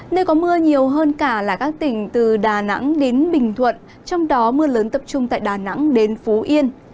nơi có mưa nhiều hơn cả là các tỉnh từ đà nẵng đến bình thuận trong đó mưa lớn tập trung tại đà nẵng đến phú yên